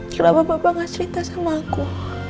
kenapa papa gak cerita sama aku